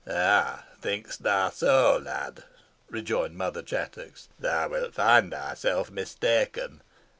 "Ah! think'st thou so, lad," rejoined Mother Chattox. "Thou wilt find thyself mistaken.